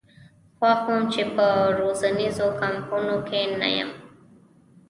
خوښ وم چې په روزنیزو کمپونو کې نه یم.